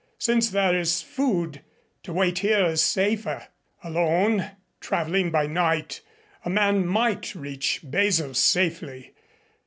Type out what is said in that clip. Since there is food, to wait here is safer. Alone, traveling by night, a man might reach Basel safely.